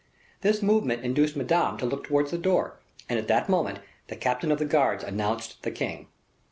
This movement induced Madame to look towards the door, and at that moment, the captain of the guards announced the king.